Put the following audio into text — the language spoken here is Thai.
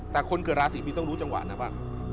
แต่คนเกิดราศีมีนต้องรู้จังหวะนะว่า